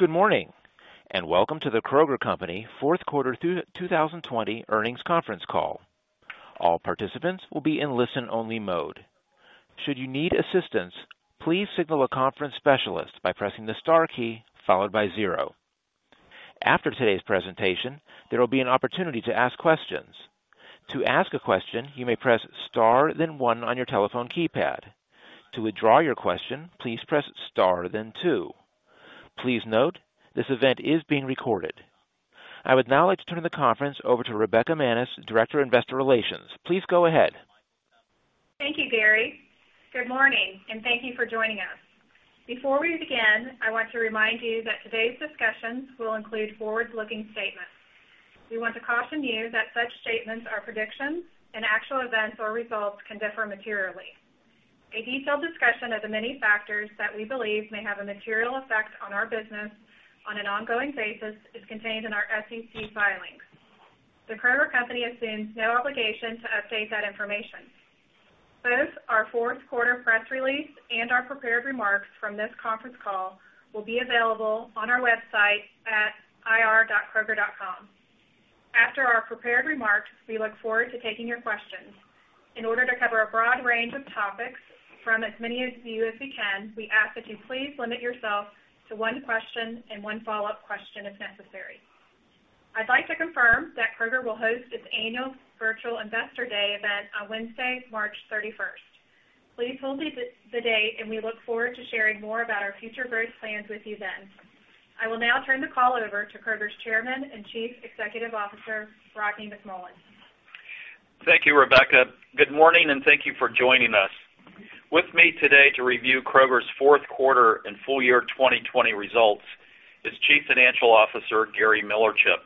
Good morning, and Welcome to The Kroger Company fourth quarter 2020 earnings conference call. All participants will be in listen only mode. Should you need assistance, please signal a conference specialist by pressing the star key followed by zero. After today's presentation, there will be an opportunity to ask questions. To ask a question, you may press star then one on your telephone keypad. To withdraw your question, please press star then two. Please note, this event is being recorded. I would now like to turn the conference over to Rebekah Manis, Director of Investor Relations. Please go ahead. Thank you, Gary. Good morning, and thank you for joining us. Before we begin, I want to remind you that today's discussions will include forward-looking statements. We want to caution you that such statements are predictions, and actual events or results can differ materially. A detailed discussion of the many factors that we believe may have a material effect on our business on an ongoing basis is contained in our SEC filings. The Kroger Company assumes no obligation to update that information. Both our fourth quarter press release and our prepared remarks from this conference call will be available on our website at ir.kroger.com. After our prepared remarks, we look forward to taking your questions. In order to cover a broad range of topics from as many of you as we can, we ask that you please limit yourself to one question and one follow-up question if necessary. I'd like to confirm that Kroger will host its annual virtual Investor Day event on Wednesday, March 31st. Please hold the date, and we look forward to sharing more about our future growth plans with you then. I will now turn the call over to Kroger's Chairman and Chief Executive Officer, Rodney McMullen. Thank you, Rebekah. Good morning, and thank you for joining us. With me today to review Kroger's fourth quarter and full year 2020 results is Chief Financial Officer, Gary Millerchip.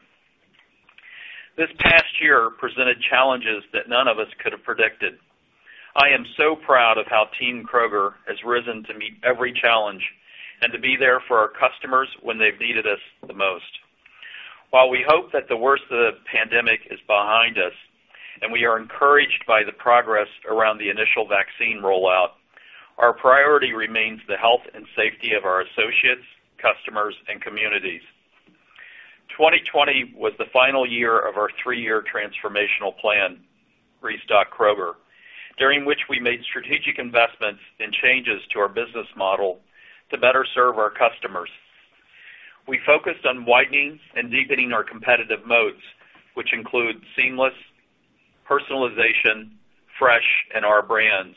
This past year presented challenges that none of us could have predicted. I am so proud of how Team Kroger has risen to meet every challenge and to be there for our customers when they've needed us the most. While we hope that the worst of the pandemic is behind us, and we are encouraged by the progress around the initial vaccine rollout, our priority remains the health and safety of our associates, customers, and communities. 2020 was the final year of our three-year transformational plan, Restock Kroger, during which we made strategic investments and changes to our business model to better serve our customers. We focused on widening and deepening our competitive moats, which include seamless personalization, fresh, and our brands.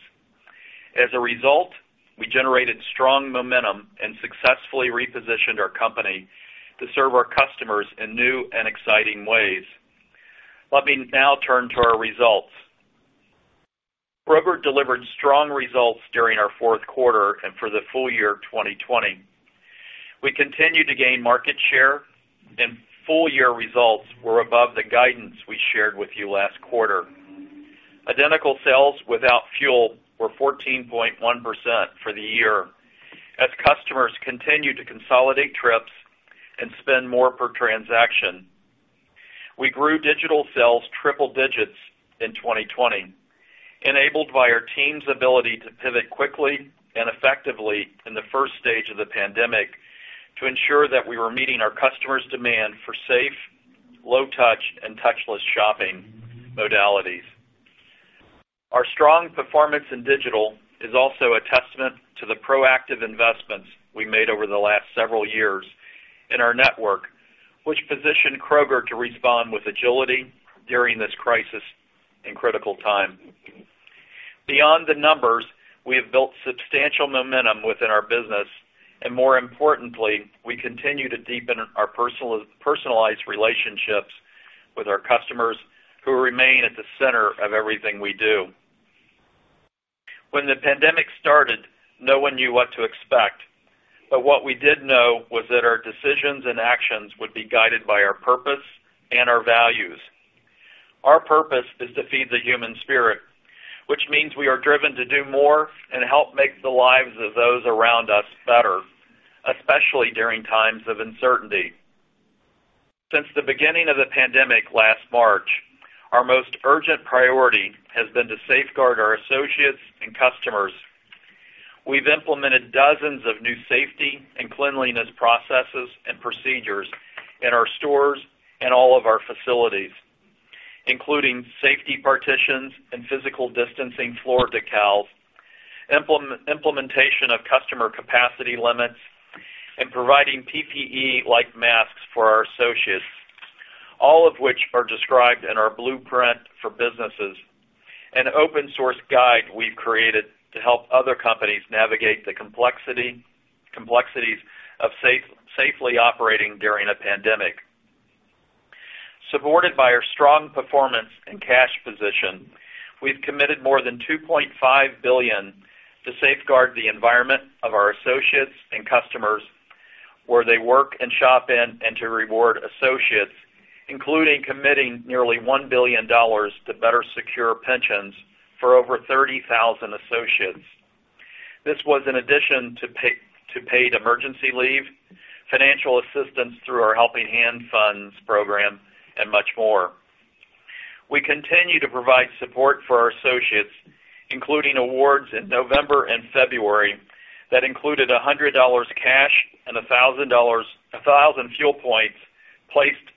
As a result, we generated strong momentum and successfully repositioned our company to serve our customers in new and exciting ways. Let me now turn to our results. Kroger delivered strong results during our fourth quarter and for the full year 2020. We continued to gain market share, and full year results were above the guidance we shared with you last quarter. Identical sales without fuel were 14.1% for the year as customers continued to consolidate trips and spend more per transaction. We grew digital sales triple digits in 2020, enabled by our team's ability to pivot quickly and effectively in the first stage of the pandemic to ensure that we were meeting our customers' demand for safe, low touch and touchless shopping modalities. Our strong performance in digital is also a testament to the proactive investments we made over the last several years in our network, which positioned Kroger to respond with agility during this crisis and critical time. Beyond the numbers, we have built substantial momentum within our business, and more importantly, we continue to deepen our personalized relationships with our customers who remain at the center of everything we do. When the pandemic started, no one knew what to expect. What we did know was that our decisions and actions would be guided by our purpose and our values. Our purpose is to feed the human spirit, which means we are driven to do more and help make the lives of those around us better, especially during times of uncertainty. Since the beginning of the pandemic last March, our most urgent priority has been to safeguard our associates and customers. We've implemented dozens of new safety and cleanliness processes and procedures in our stores and all of our facilities, including safety partitions and physical distancing floor decals, implementation of customer capacity limits, and providing PPE like masks for our associates. All of which are described in our Blueprint for Business, an open source guide we've created to help other companies navigate the complexities of safely operating during a pandemic. Supported by our strong performance and cash position, we've committed more than $2.5 billion to safeguard the environment of our associates and customers where they work and shop in, and to reward associates, including committing nearly $1 billion to better secure pensions for over 30,000 associates. This was in addition to paid emergency leave, financial assistance through our Kroger Helping Hands Fund program, and much more. We continue to provide support for our associates, including awards in November and February that included $100 cash and 1,000 fuel points placed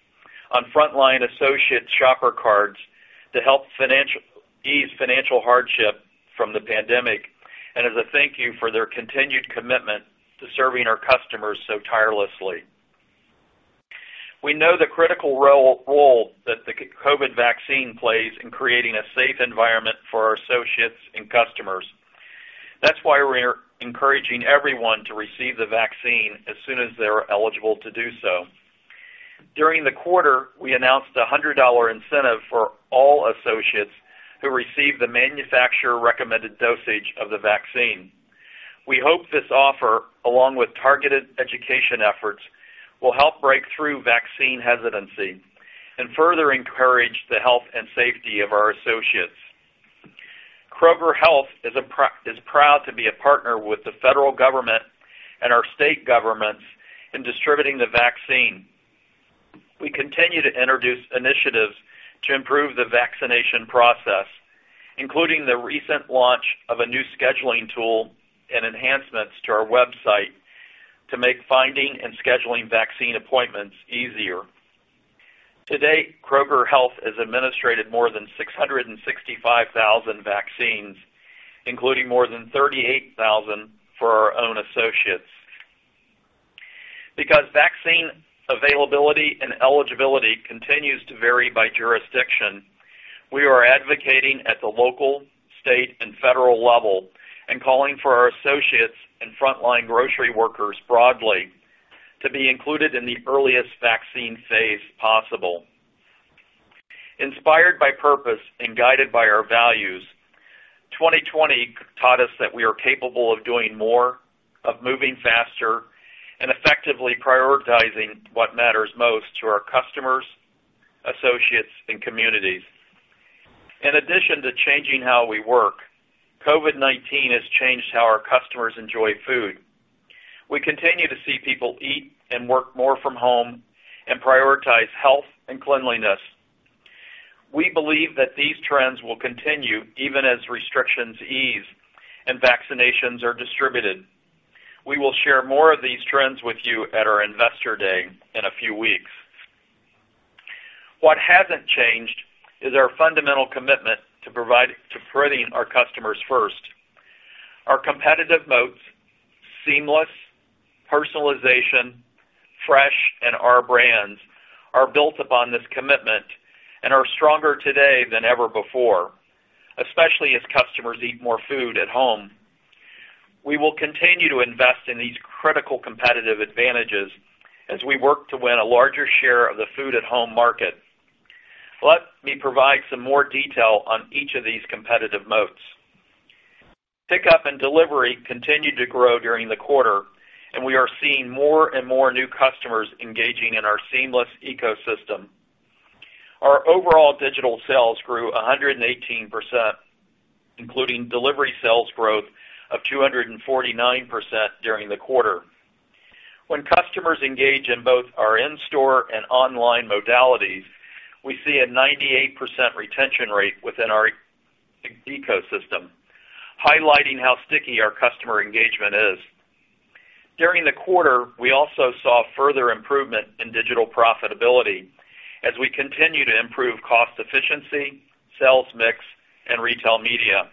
on frontline associate shopper cards to help ease financial hardship from the pandemic, and as a thank you for their continued commitment to serving our customers so tirelessly. We know the critical role that the COVID vaccine plays in creating a safe environment for our associates and customers. That's why we're encouraging everyone to receive the vaccine as soon as they are eligible to do so. During the quarter, we announced a $100 incentive for all associates who receive the manufacturer recommended dosage of the vaccine. We hope this offer, along with targeted education efforts, will help break through vaccine hesitancy and further encourage the health and safety of our associates. Kroger Health is proud to be a partner with the federal government and our state governments in distributing the vaccine. We continue to introduce initiatives to improve the vaccination process, including the recent launch of a new scheduling tool and enhancements to our website to make finding and scheduling vaccine appointments easier. To date, Kroger Health has administered more than 665,000 vaccines, including more than 38,000 for our own associates. Because vaccine availability and eligibility continues to vary by jurisdiction, we are advocating at the local, state, and federal level and calling for our associates and frontline grocery workers broadly to be included in the earliest vaccine phase possible. Inspired by purpose and guided by our values, 2020 taught us that we are capable of doing more, of moving faster, and effectively prioritizing what matters most to our customers, associates, and communities. In addition to changing how we work, COVID-19 has changed how our customers enjoy food. We continue to see people eat and work more from home and prioritize health and cleanliness. We believe that these trends will continue even as restrictions ease and vaccinations are distributed. We will share more of these trends with you at our investor day in a few weeks. What hasn't changed is our fundamental commitment to putting our customers first. Our competitive moats, seamless personalization, fresh, and our brands are built upon this commitment and are stronger today than ever before, especially as customers eat more food at home. We will continue to invest in these critical competitive advantages as we work to win a larger share of the food at home market. Let me provide some more detail on each of these competitive moats. Pickup and delivery continued to grow during the quarter, and we are seeing more and more new customers engaging in our seamless ecosystem. Our overall digital sales grew 118%, including delivery sales growth of 249% during the quarter. When customers engage in both our in-store and online modalities, we see a 98% retention rate within our ecosystem, highlighting how sticky our customer engagement is. During the quarter, we also saw further improvement in digital profitability as we continue to improve cost efficiency, sales mix, and retail media.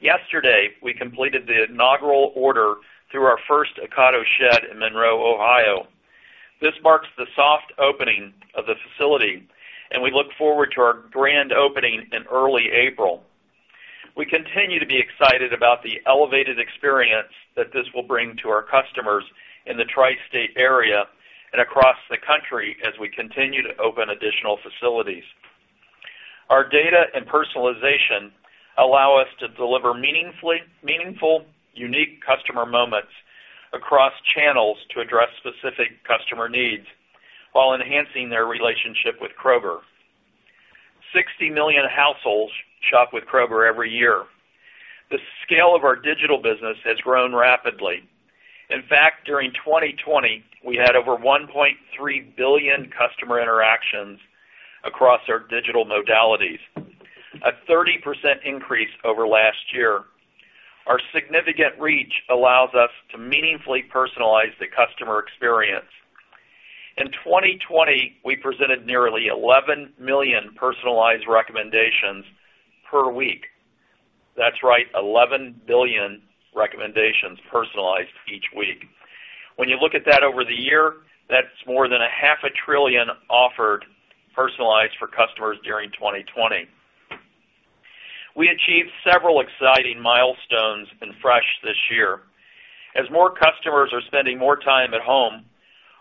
Yesterday, we completed the inaugural order through our first Ocado shed in Monroe, Ohio. This marks the soft opening of the facility, and we look forward to our grand opening in early April. We continue to be excited about the elevated experience that this will bring to our customers in the tri-state area and across the country as we continue to open additional facilities. Our data and personalization allow us to deliver meaningful, unique customer moments across channels to address specific customer needs while enhancing their relationship with Kroger. 60 million households shop with Kroger every year. The scale of our digital business has grown rapidly. In fact, during 2020, we had over 1.3 billion customer interactions across our digital modalities, a 30% increase over last year. Our significant reach allows us to meaningfully personalize the customer experience. In 2020, we presented nearly 11 million personalized recommendations per week. That's right, 11 billion recommendations personalized each week. When you look at that over the year, that's more than a half a trillion offered personalized for customers during 2020. We achieved several exciting milestones in fresh this year. As more customers are spending more time at home,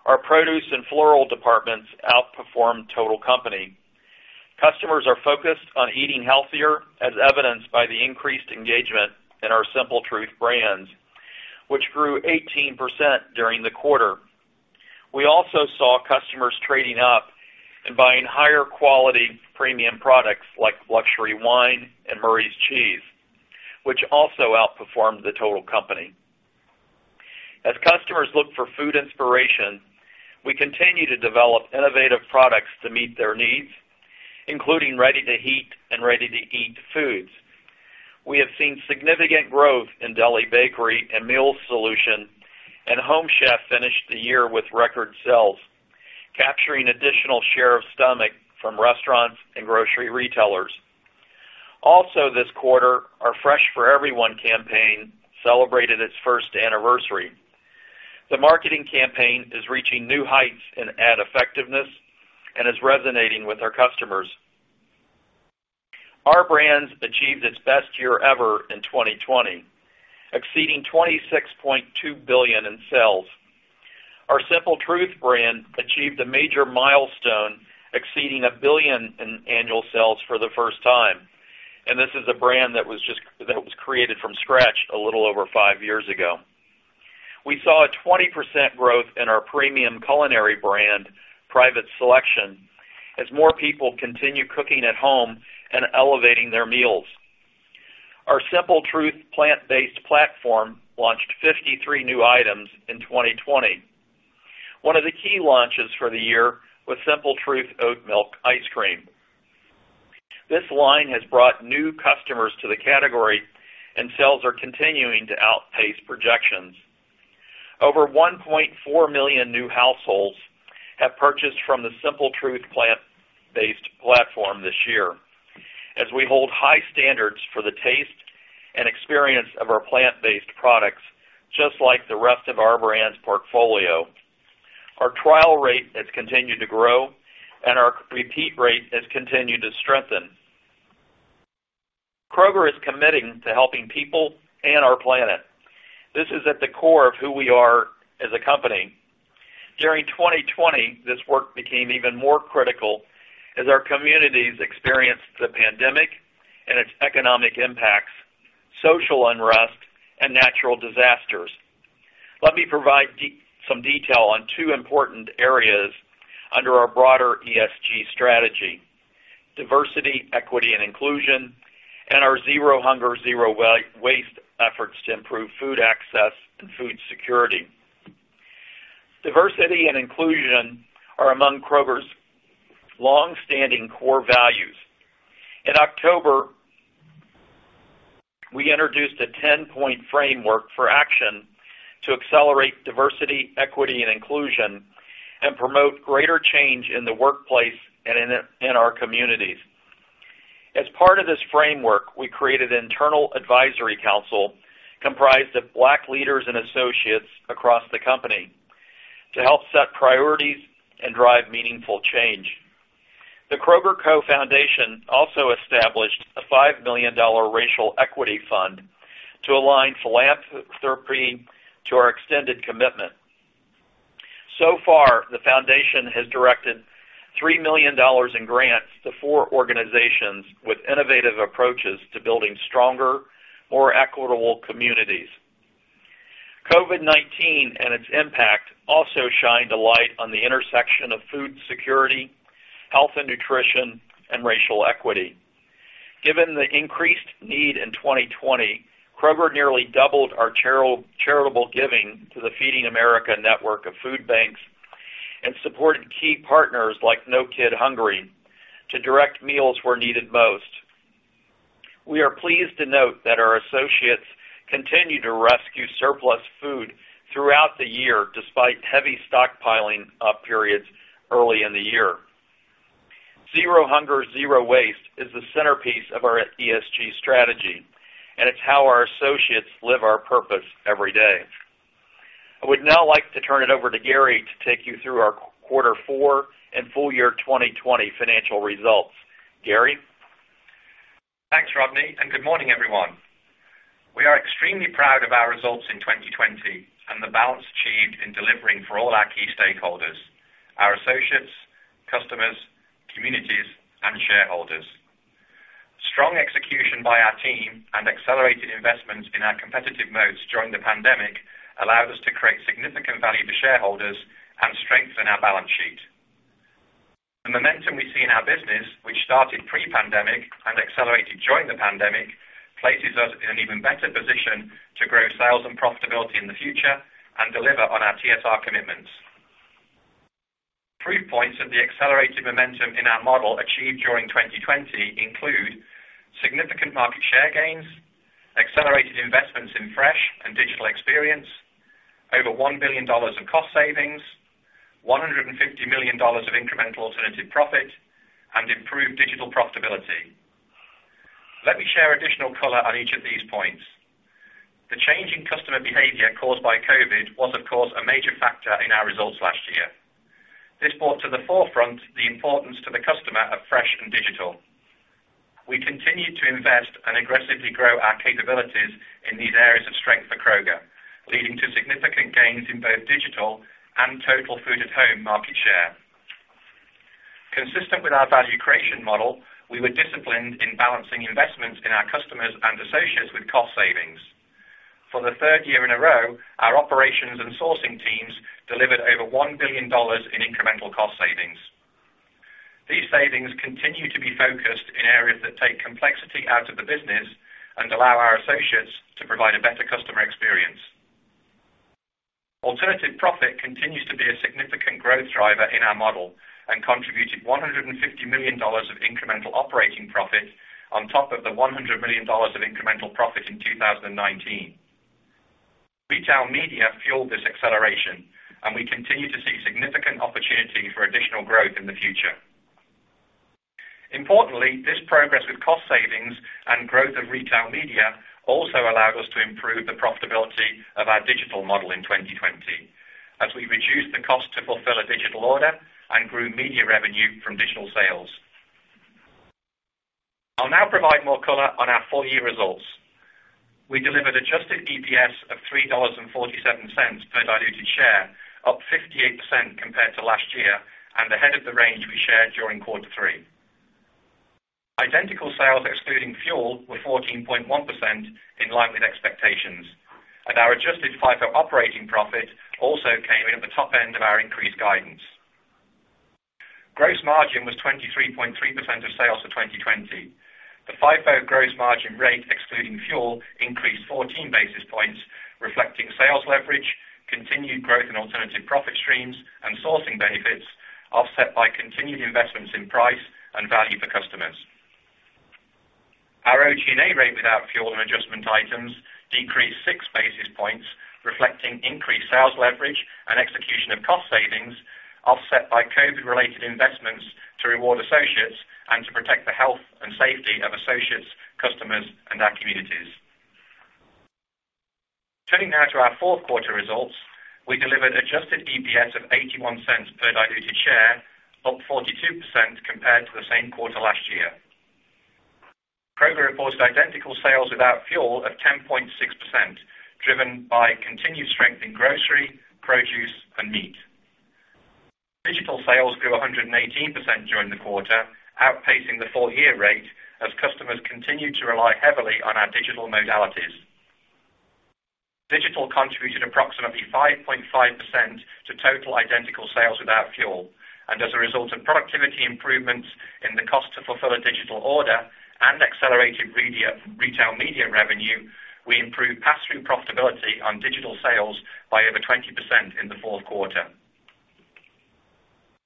our produce and floral departments outperformed total company. Customers are focused on eating healthier, as evidenced by the increased engagement in our Simple Truth brands, which grew 18% during the quarter. We also saw customers trading up and buying higher quality premium products like luxury wine and Murray's Cheese, which also outperformed the total company. Customers look for food inspiration. We continue to develop innovative products to meet their needs, including ready-to-heat and ready-to-eat foods. We have seen significant growth in deli, bakery, and meals solution. Home Chef finished the year with record sales, capturing additional share of stomach from restaurants and grocery retailers. Also this quarter, our Fresh for Everyone campaign celebrated its first anniversary. The marketing campaign is reaching new heights in ad effectiveness and is resonating with our customers. Our brands achieved its best year ever in 2020, exceeding $26.2 billion in sales. Our Simple Truth brand achieved a major milestone, exceeding $1 billion in annual sales for the first time. This is a brand that was created from scratch a little over five years ago. We saw a 20% growth in our premium culinary brand, Private Selection, as more people continue cooking at home and elevating their meals. Our Simple Truth plant-based platform launched 53 new items in 2020. One of the key launches for the year was Simple Truth Oatmilk Ice Cream. This line has brought new customers to the category, and sales are continuing to outpace projections. Over 1.4 million new households have purchased from the Simple Truth plant-based platform this year. As we hold high standards for the taste and experience of our plant-based products, just like the rest of our brands portfolio, our trial rate has continued to grow, and our repeat rate has continued to strengthen. Kroger is committing to helping people and our planet. This is at the core of who we are as a company. During 2020, this work became even more critical as our communities experienced the pandemic and its economic impacts, social unrest, and natural disasters. Let me provide some detail on two important areas under our broader ESG strategy: diversity, equity, and inclusion, and our Zero Hunger, Zero Waste efforts to improve food access and food security. Diversity and inclusion are among Kroger's long-standing core values. In October, we introduced a 10-point framework for action to accelerate diversity, equity, and inclusion and promote greater change in the workplace and in our communities. As part of this framework, we created an internal advisory council comprised of black leaders and associates across the company to help set priorities and drive meaningful change. The Kroger Co Foundation also established a $5 million racial equity fund to align philanthropy to our extended commitment. So far, the foundation has directed $3 million in grants to four organizations with innovative approaches to building stronger, more equitable communities. COVID-19 and its impact also shined a light on the intersection of food security, health and nutrition, and racial equity. Given the increased need in 2020, Kroger nearly doubled our charitable giving to the Feeding America network of food banks and supported key partners like No Kid Hungry to direct meals where needed most. We are pleased to note that our associates continued to rescue surplus food throughout the year, despite heavy stockpiling periods early in the year. Zero Hunger, Zero Waste is the centerpiece of our ESG strategy, and it's how our associates live our purpose every day. I would now like to turn it over to Gary to take you through our quarter four and full year 2020 financial results. Gary? Thanks, Rodney. Good morning, everyone. We are extremely proud of our results in 2020 and the balance achieved in delivering for all our key stakeholders, our associates, customers, communities, and shareholders. Strong execution by our team and accelerated investments in our competitive moats during the pandemic allowed us to create significant value to shareholders and strengthen our balance sheet. The momentum we see in our business, which started pre-pandemic and accelerated during the pandemic, places us in an even better position to grow sales and profitability in the future and deliver on our TSR commitments. Three points of the accelerated momentum in our model achieved during 2020 include significant market share gains, accelerated investments in fresh and digital experience, over $1 billion of cost savings, $150 million of incremental alternative profit, and improved digital profitability. Let me share additional color on each of these points. The change in customer behavior caused by COVID was, of course, a major factor in our results last year. This brought to the forefront the importance to the customer of fresh and digital. We continued to invest and aggressively grow our capabilities in these areas of strength for Kroger, leading to significant gains in both digital and total food-at-home market share. Consistent with our value creation model, we were disciplined in balancing investments in our customers and associates with cost savings. For the third year in a row, our operations and sourcing teams delivered over $1 billion in incremental cost savings. These savings continue to be focused in areas that take complexity out of the business and allow our associates to provide a better customer experience. Alternative profit continues to be a significant growth driver in our model and contributed $150 million of incremental operating profit on top of the $100 million of incremental profit in 2019. Retail media fueled this acceleration, and we continue to see significant opportunity for additional growth in the future. Importantly, this progress with cost savings and growth of retail media also allowed us to improve the profitability of our digital model in 2020, as we reduced the cost to fulfill a digital order and grew media revenue from digital sales. I'll now provide more color on our full-year results. We delivered adjusted EPS of $3.47 per diluted share, up 58% compared to last year, and ahead of the range we shared during quarter three. Identical Sales excluding fuel were 14.1%, in line with expectations. Our adjusted FIFO operating profit also came in at the top end of our increased guidance. Gross margin was 23.3% of sales for 2020. The FIFO gross margin rate, excluding fuel, increased 14 basis points, reflecting sales leverage, continued growth in alternative profit streams, and sourcing benefits, offset by continued investments in price and value for customers. Our OG&A rate without fuel and adjustment items decreased six basis points, reflecting increased sales leverage and execution of cost savings, offset by COVID-related investments to reward associates and to protect the health and safety of associates, customers, and our communities. Turning now to our fourth quarter results. We delivered adjusted EPS of $0.81 per diluted share, up 42% compared to the same quarter last year. Kroger reported Identical Sales without fuel of 10.6%, driven by continued strength in grocery, produce, and meat. Digital sales grew 118% during the quarter, outpacing the full-year rate as customers continued to rely heavily on our digital modalities. Digital contributed approximately 5.5% to total identical sales without fuel. As a result of productivity improvements in the cost to fulfill a digital order and accelerated retail media revenue, we improved pass-through profitability on digital sales by over 20% in the fourth quarter.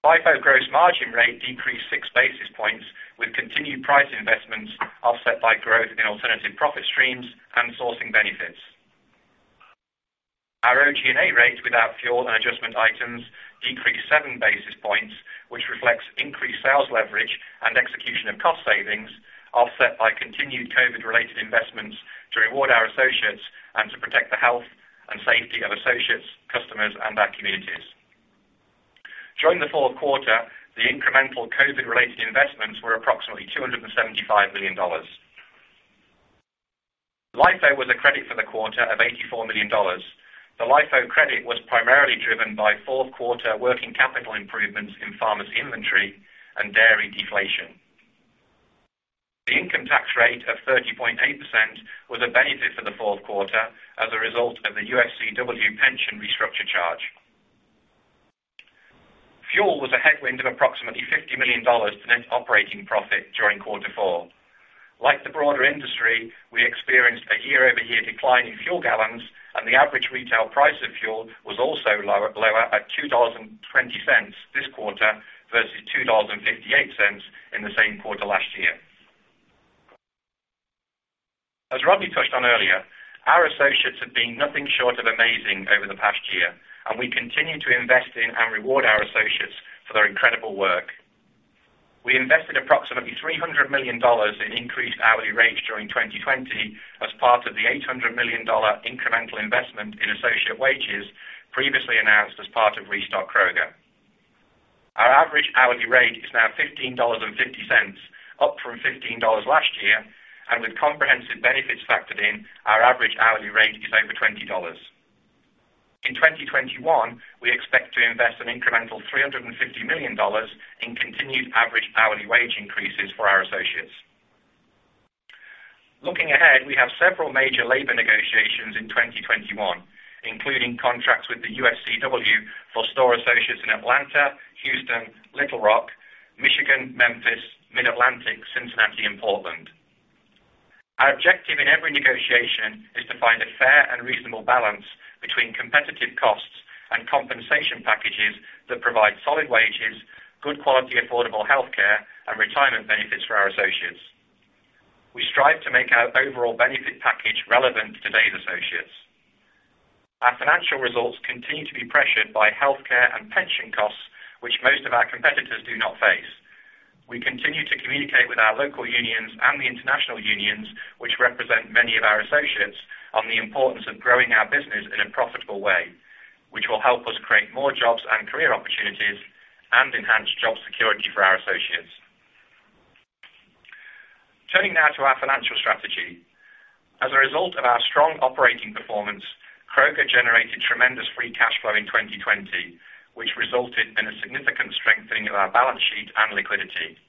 FIFO gross margin rate decreased six basis points, with continued price investments offset by growth in alternative profit streams and sourcing benefits. Our OG&A rate without fuel and adjustment items decreased seven basis points, which reflects increased sales leverage and execution of cost savings, offset by continued COVID-related investments to reward our associates and to protect the health and safety of associates, customers, and our communities. During the fourth quarter, the incremental COVID-related investments were approximately $275 million. LIFO was a credit for the quarter of $84 million. The LIFO credit was primarily driven by fourth quarter working capital improvements in pharmacy inventory and dairy deflation. The income tax rate of 30.8% was a benefit for the fourth quarter as a result of the UFCW pension restructure charge. Fuel was a headwind of approximately $50 million to net operating profit during quarter four. Like the broader industry, we experienced a year-over-year decline in fuel gallons, and the average retail price of fuel was also lower at $2.20 this quarter versus $2.58 in the same quarter last year. As Rodney touched on earlier, our associates have been nothing short of amazing over the past year, and we continue to invest in and reward our associates for their incredible work. We invested approximately $300 million in increased hourly rates during 2020 as part of the $800 million incremental investment in associate wages previously announced as part of Restock Kroger. Our average hourly rate is now $15.50, up from $15 last year, and with comprehensive benefits factored in, our average hourly rate is over $20. In 2021, we expect to invest an incremental $350 million in continued average hourly wage increases for our associates. Looking ahead, we have several major labor negotiations in 2021, including contracts with the UFCW for store associates in Atlanta, Houston, Little Rock, Michigan, Memphis, Mid-Atlantic, Cincinnati, and Portland. Our objective in every negotiation is to find a fair and reasonable balance between competitive costs and compensation packages that provide solid wages, good quality, affordable healthcare, and retirement benefits for our associates. We strive to make our overall benefit package relevant to today's associates. Our financial results continue to be pressured by healthcare and pension costs, which most of our competitors do not face. We continue to communicate with our local unions and the international unions, which represent many of our associates, on the importance of growing our business in a profitable way, which will help us create more jobs and career opportunities and enhance job security for our associates. Turning now to our financial strategy. As a result of our strong operating performance, Kroger generated tremendous free cash flow in 2020, which resulted in a significant strengthening of our balance sheet and liquidity.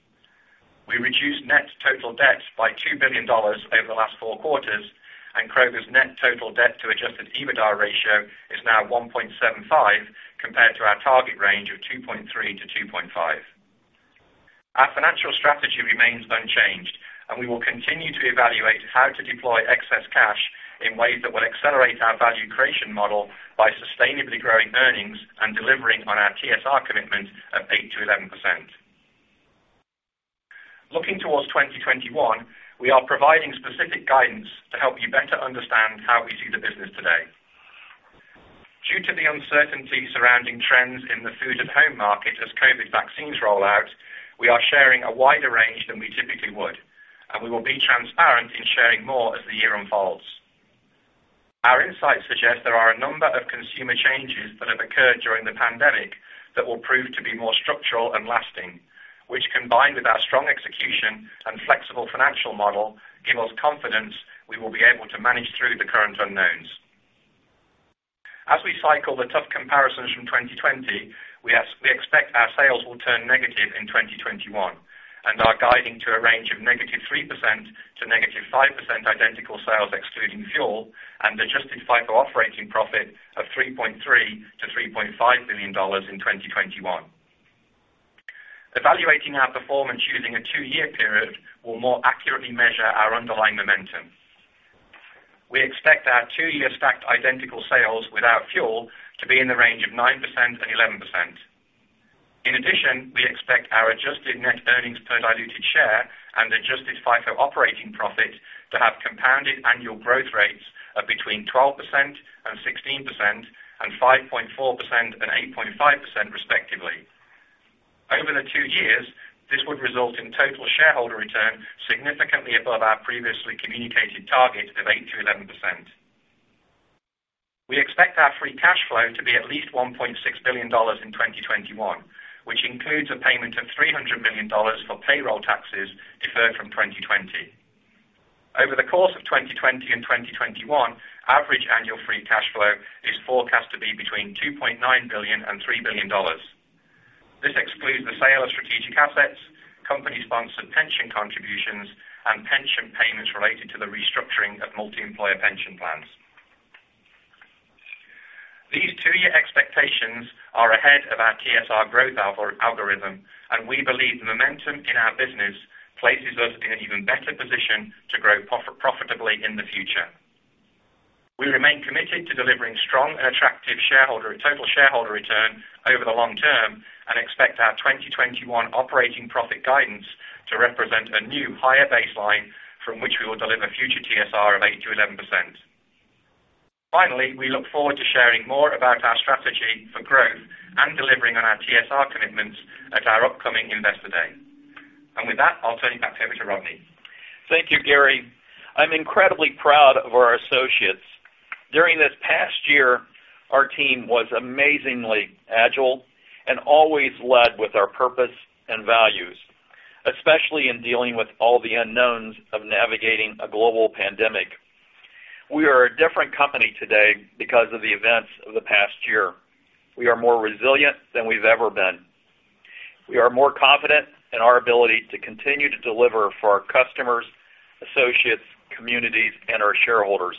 We reduced $2 billion over the last four quarters, and Kroger's net total debt to adjusted EBITDA ratio is now 1.75%, compared to our target range of 2.3%-2.5%. Our financial strategy remains unchanged. We will continue to evaluate how to deploy excess cash in ways that will accelerate our value creation model by sustainably growing earnings and delivering on our TSR commitment of 8%-11%. Looking towards 2021, we are providing specific guidance to help you better understand how we see the business today. Due to the uncertainty surrounding trends in the food-at-home market as COVID vaccines roll out, we are sharing a wider range than we typically would, and we will be transparent in sharing more as the year unfolds. Our insights suggest there are a number of consumer changes that have occurred during the pandemic that will prove to be more structural and lasting, which, combined with our strong execution and flexible financial model, give us confidence we will be able to manage through the current unknowns. As we cycle the tough comparisons from 2020, we expect our sales will turn negative in 2021, and are guiding to a range of -3% to -5% Identical Sales excluding fuel, and adjusted FIFO operating profit of $3.3 billion-$3.5 billion in 2021. Evaluating our performance using a two-year period will more accurately measure our underlying momentum. We expect our two-year stacked Identical Sales without fuel to be in the range of 9% and 11%. In addition, we expect our adjusted net earnings per diluted share and adjusted FIFO operating profit to have compounded annual growth rates of between 12% and 16%, and 5.4% and 8.5%, respectively. Over the two years, this would result in total shareholder return significantly above our previously communicated target of 8%-11%. We expect our free cash flow to be at least $1.6 billion in 2021, which includes a payment of $300 million for payroll taxes deferred from 2020. Over the course of 2020 and 2021, average annual free cash flow is forecast to be between $2.9 billion and $3 billion. This excludes the sale of strategic assets, company-sponsored pension contributions, and pension payments related to the restructuring of multi-employer pension plans. These two-year expectations are ahead of our TSR growth algorithm, and we believe the momentum in our business places us in an even better position to grow profitably in the future. We remain committed to delivering strong and attractive total shareholder return over the long term and expect our 2021 operating profit guidance to represent a new higher baseline from which we will deliver future TSR of 8%-11%. Finally, we look forward to sharing more about our strategy for growth and delivering on our TSR commitments at our upcoming Investor Day. With that, I'll turn it back over to Rodney. Thank you, Gary. I'm incredibly proud of our associates. During this past year, our team was amazingly agile and always led with our purpose and values, especially in dealing with all the unknowns of navigating a global pandemic. We are a different company today because of the events of the past year. We are more resilient than we've ever been. We are more confident in our ability to continue to deliver for our customers, associates, communities, and our shareholders.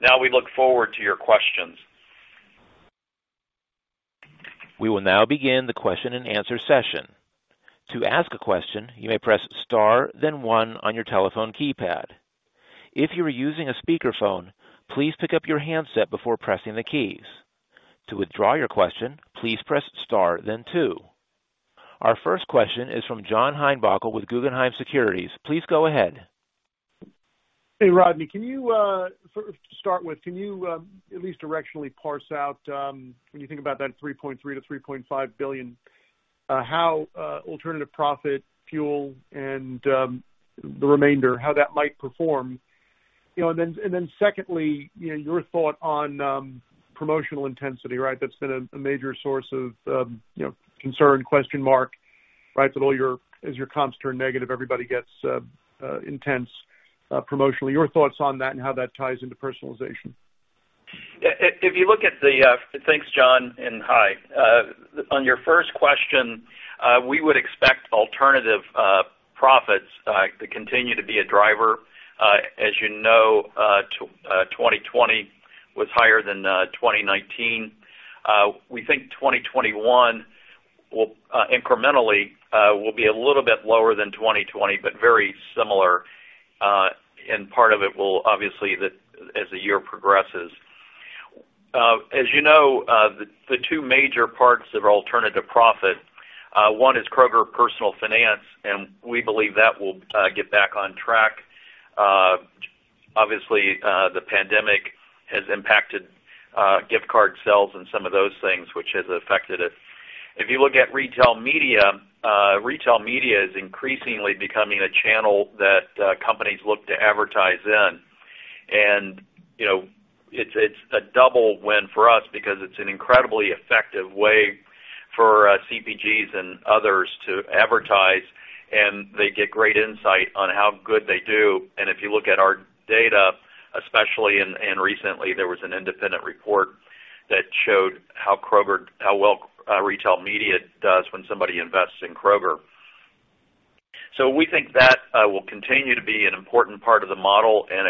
Now, we look forward to your questions. We will now begin the question and answer session. Our 1st question is from John Heinbockel with Guggenheim Securities. Please go ahead. Hey, Rodney. To start with, can you at least directionally parse out, when you think about that $3.3 billion-$3.5 billion, how alternative profit, fuel, and the remainder, how that might perform? Secondly, your thought on promotional intensity, right? That's been a major source of concern, question mark, right? As your comps turn negative, everybody gets intense promotionally. Your thoughts on that and how that ties into personalization? Thanks, John, and hi. On your first question, we would expect alternative profits to continue to be a driver. As you know, 2020 was higher than 2019. We think 2021 will incrementally be a little bit lower than 2020, but very similar, and part of it will obviously as the year progresses. As you know, the two major parts of alternative profit, one is Kroger Personal Finance. We believe that will get back on track. Obviously, the pandemic has impacted gift card sales and some of those things, which has affected it. If you look at retail media, retail media is increasingly becoming a channel that companies look to advertise in. It's a double win for us because it's an incredibly effective way for CPGs and others to advertise, and they get great insight on how good they do. If you look at our data. Especially, and recently, there was an independent report that showed how well retail media does when somebody invests in Kroger. We think that will continue to be an important part of the model and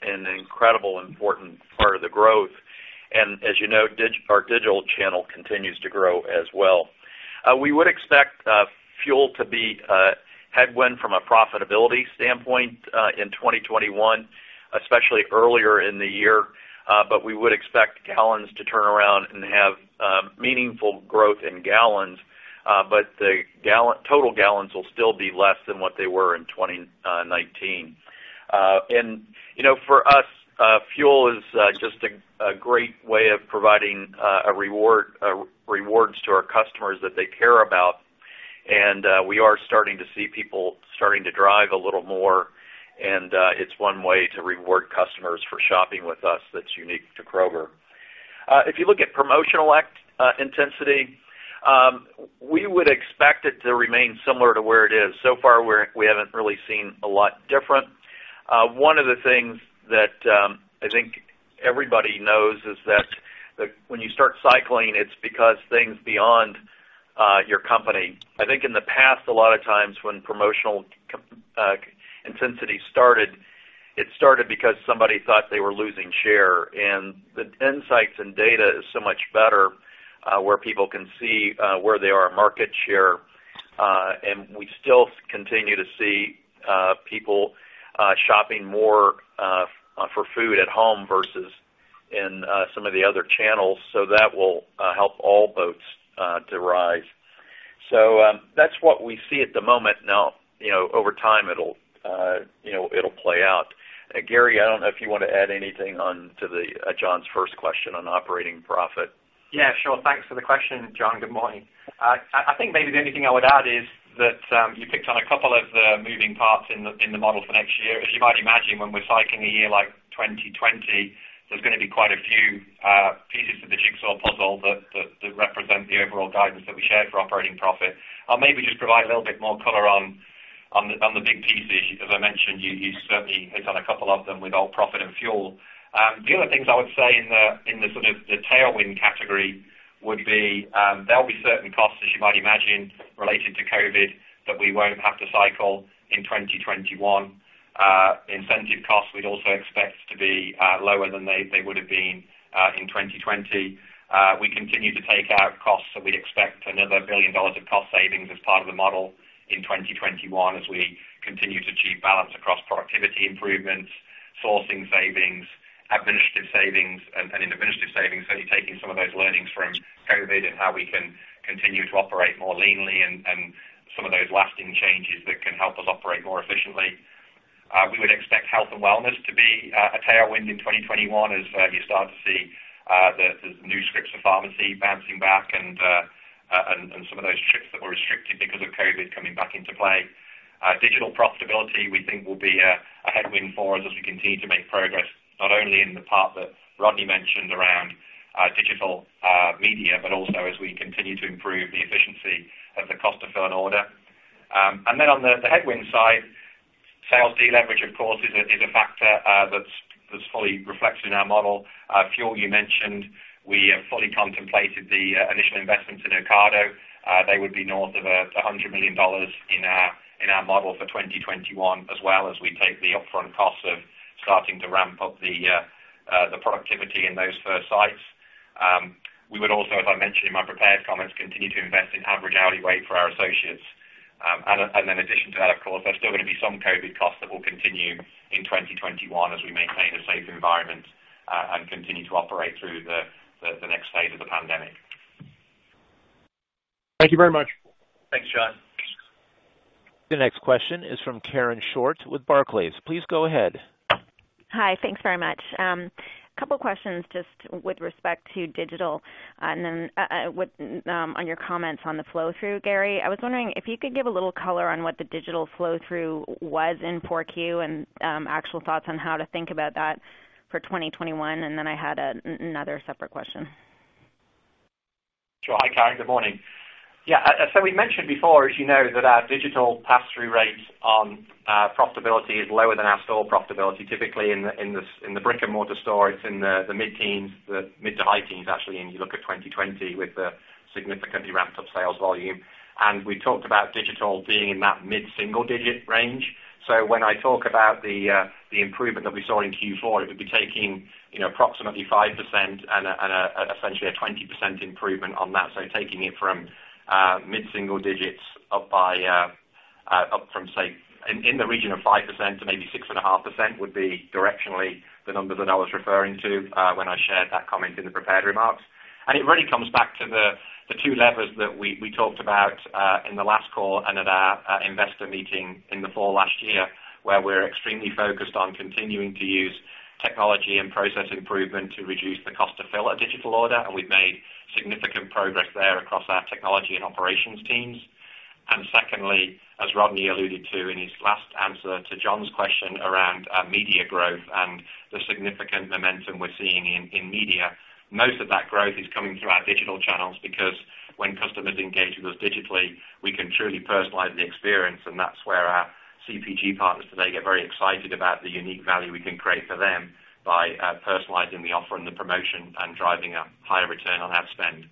an incredibly important part of the growth. As you know, our digital channel continues to grow as well. We would expect fuel to be a headwind from a profitability standpoint in 2021, especially earlier in the year. We would expect gallons to turn around and have meaningful growth in gallons. The total gallons will still be less than what they were in 2019. For us, fuel is just a great way of providing rewards to our customers that they care about. We are starting to see people starting to drive a little more, and it's one way to reward customers for shopping with us that's unique to Kroger. If you look at promotional intensity, we would expect it to remain similar to where it is. So far, we haven't really seen a lot different. One of the things that I think everybody knows is that when you start cycling, it's because things beyond your company. I think in the past, a lot of times when promotional intensity started, it started because somebody thought they were losing share. The insights and data is so much better, where people can see where they are in market share. We still continue to see people shopping more for food at home versus in some of the other channels. That will help all boats to rise. That's what we see at the moment. Over time it'll play out. Gary, I don't know if you want to add anything on to John's first question on operating profit? Yeah, sure. Thanks for the question, John. Good morning. I think maybe the only thing I would add is that you picked on a couple of the moving parts in the model for next year. As you might imagine, when we're cycling a year like 2020, there's going to be quite a few pieces to the jigsaw puzzle that represent the overall guidance that we shared for operating profit. I'll maybe just provide a little bit more color on the big pieces. As I mentioned, you certainly hit on a couple of them with all profit and fuel. The other things I would say in the sort of the tailwind category would be, there'll be certain costs, as you might imagine, related to COVID that we won't have to cycle in 2021. Incentive costs we'd also expect to be lower than they would've been in 2020. We continue to take out costs. We expect another $1 billion of cost savings as part of the model in 2021, as we continue to achieve balance across productivity improvements, sourcing savings, administrative savings, and in administrative savings, certainly taking some of those learnings from COVID and how we can continue to operate more leanly and some of those lasting changes that can help us operate more efficiently. We would expect health and wellness to be a tailwind in 2021 as you start to see the new scripts for pharmacy bouncing back and some of those trips that were restricted because of COVID coming back into play. Digital profitability, we think will be a headwind for us as we continue to make progress, not only in the part that Rodney mentioned around digital media, but also as we continue to improve the efficiency of the cost to fill an order. On the headwind side, sales deleverage, of course, is a factor that's fully reflected in our model. Fuel, you mentioned. We have fully contemplated the initial investments in Ocado. They would be north of $100 million in our model for 2021, as well as we take the upfront costs of starting to ramp up the productivity in those first sites. We would also, as I mentioned in my prepared comments, continue to invest in average hourly rate for our associates. In addition to that, of course, there's still going to be some COVID costs that will continue in 2021 as we maintain a safe environment and continue to operate through the next phase of the pandemic. Thank you very much. Thanks, John. The next question is from Karen Short with Barclays. Please go ahead. Hi. Thanks very much. Couple questions just with respect to digital and then on your comments on the flow-through, Gary. I was wondering if you could give a little color on what the digital flow-through was in 4Q and actual thoughts on how to think about that for 2021. I had another separate question. Sure. Hi, Karen. Good morning. Yeah. We mentioned before, as you know, that our digital pass-through rates on profitability is lower than our store profitability. Typically, in the brick-and-mortar store, it's in the mid-to high teens, actually, and you look at 2020 with the significantly ramped up sales volume. We talked about digital being in that mid-single digit range. When I talk about the improvement that we saw in Q4, it would be taking approximately 5% and essentially a 20% improvement on that. Taking it from mid-single digits up from, say, in the region of 5% to maybe 6.5% would be directionally the number that I was referring to when I shared that comment in the prepared remarks. It really comes back to the two levers that we talked about in the last call and at our investor meeting in the fall last year, where we're extremely focused on continuing to use technology and process improvement to reduce the cost to fill a digital order, and we've made significant progress there across our technology and operations teams. Secondly, as Rodney alluded to in his last answer to John's question around media growth and the significant momentum we're seeing in media, most of that growth is coming through our digital channels because when customers engage with us digitally, we can truly personalize the experience, and that's where our CPG partners today get very excited about the unique value we can create for them by personalizing the offer and the promotion and driving a higher return on ad spend.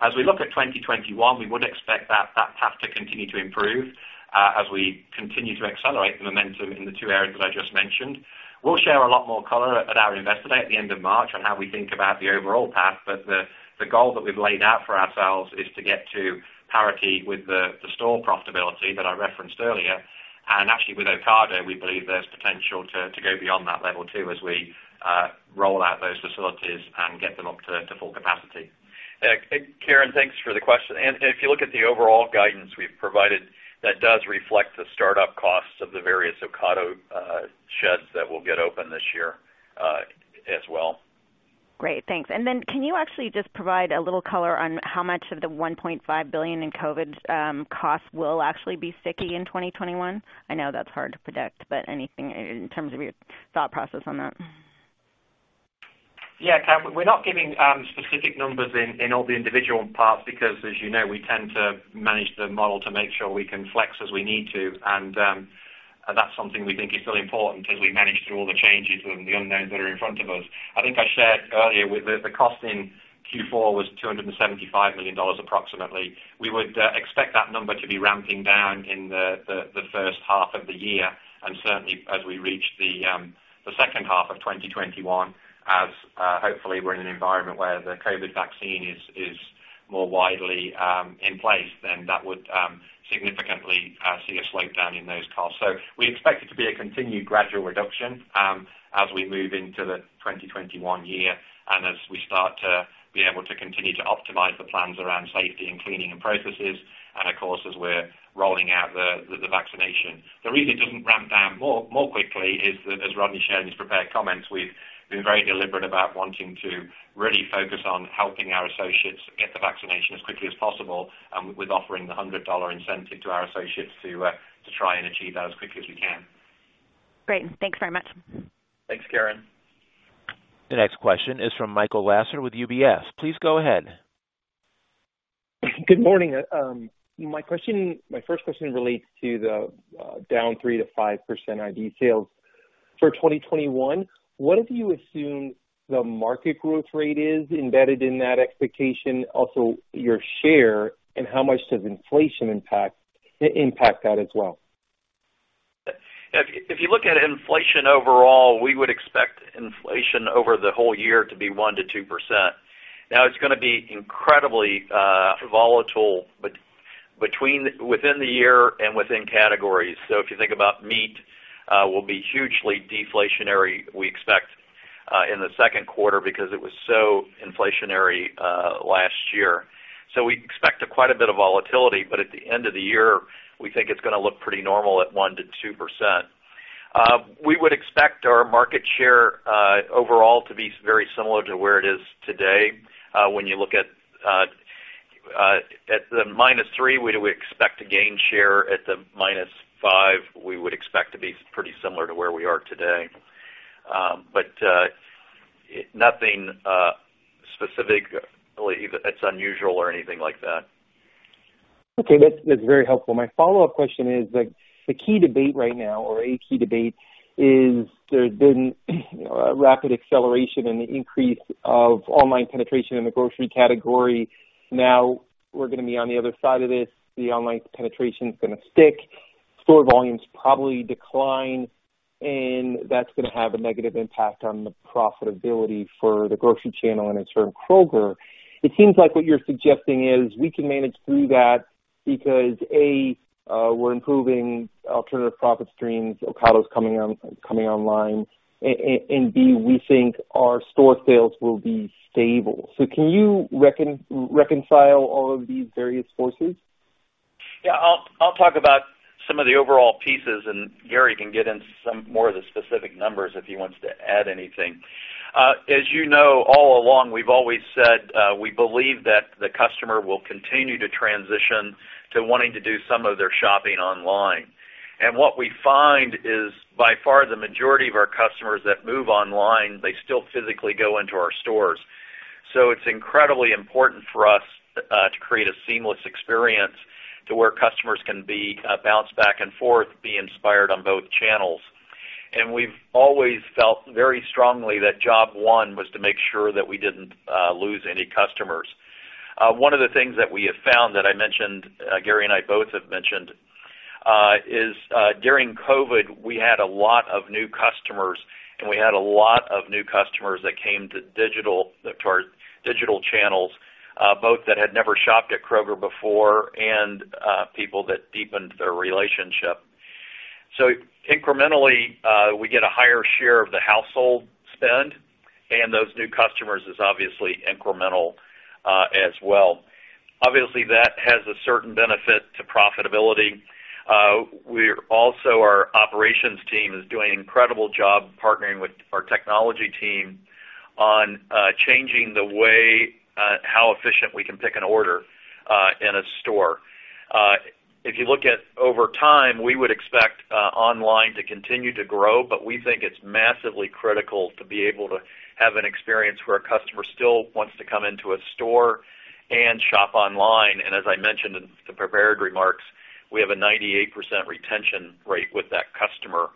As we look at 2021, we would expect that path to continue to improve as we continue to accelerate the momentum in the two areas that I just mentioned. We'll share a lot more color at our Investor Day at the end of March on how we think about the overall path. The goal that we've laid out for ourselves is to get to parity with the store profitability that I referenced earlier. Actually with Ocado, we believe there's potential to go beyond that level too, as we roll out those facilities and get them up to full capacity. Karen, thanks for the question. If you look at the overall guidance we've provided, that does reflect the startup costs of the various Ocado sheds that will get open this year as well. Great, thanks. Can you actually just provide a little color on how much of the $1.5 billion in COVID costs will actually be sticky in 2021? I know that's hard to predict, anything in terms of your thought process on that? Karen, we're not giving specific numbers in all the individual parts because, as you know, we tend to manage the model to make sure we can flex as we need to. That's something we think is really important as we manage through all the changes and the unknowns that are in front of us. I think I shared earlier the cost in Q4 was $275 million approximately. We would expect that number to be ramping down in the first half of the year. Certainly as we reach the second half of 2021, as hopefully we're in an environment where the COVID vaccine is more widely in place, then that would significantly see a slowdown in those costs. We expect it to be a continued gradual reduction as we move into the 2021 year, and as we start to be able to continue to optimize the plans around safety and cleaning and processes, and of course, as we're rolling out the vaccination. The reason it doesn't ramp down more quickly is that, as Rodney shared in his prepared comments, we've been very deliberate about wanting to really focus on helping our associates get the vaccination as quickly as possible, and with offering the $100 incentive to our associates to try and achieve that as quickly as we can. Great. Thanks very much. Thanks, Karen. The next question is from Michael Lasser with UBS. Please go ahead. Good morning. My 1st question relates to the down 3%-5% Identical Sales for 2021. What do you assume the market growth rate is embedded in that expectation? Also, your share and how much does inflation impact that as well? If you look at inflation overall, we would expect inflation over the whole year to be 1%-2%. It's going to be incredibly volatile within the year and within categories. If you think about meat, will be hugely deflationary, we expect, in the second quarter because it was so inflationary last year. We expect quite a bit of volatility, but at the end of the year, we think it's going to look pretty normal at 1%-2%. We would expect our market share overall to be very similar to where it is today. When you look at the -3, we would expect to gain share. At the -5, we would expect to be pretty similar to where we are today. Nothing specifically that's unusual or anything like that. Okay. That's very helpful. My follow-up question is, the key debate right now, or a key debate is there's been a rapid acceleration in the increase of online penetration in the grocery category. Now we're going to be on the other side of this. The online penetration's going to stick. Store volumes probably decline, and that's going to have a negative impact on the profitability for the grocery channel and in turn, Kroger. It seems like what you're suggesting is we can manage through that because, A, we're improving alternative profit streams, Ocado's coming online. B, we think our store sales will be stable. Can you reconcile all of these various forces? Yeah. I'll talk about some of the overall pieces, and Gary can get into some more of the specific numbers if he wants to add anything. As you know, all along, we've always said we believe that the customer will continue to transition to wanting to do some of their shopping online. What we find is by far the majority of our customers that move online, they still physically go into our stores. It's incredibly important for us to create a seamless experience to where customers can be bounced back and forth, be inspired on both channels. We've always felt very strongly that job one was to make sure that we didn't lose any customers. One of the things that we have found that Gary and I both have mentioned, is during COVID, we had a lot of new customers, and we had a lot of new customers that came to our digital channels, both that had never shopped at Kroger before and people that deepened their relationship. Incrementally, we get a higher share of the household spend, and those new customers is obviously incremental as well. Obviously, that has a certain benefit to profitability. Our operations team is doing an incredible job partnering with our technology team on changing the way how efficient we can pick an order in a store. If you look at over time, we would expect online to continue to grow, but we think it's massively critical to be able to have an experience where a customer still wants to come into a store and shop online. As I mentioned in the prepared remarks, we have a 98% retention rate with that customer.